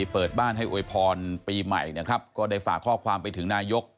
เปิดบ้านให้อวยพรปีใหม่นะครับก็ได้ฝากข้อความไปถึงนายก